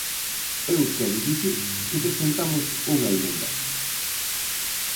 Eu quero dicir que presentamos unha emenda.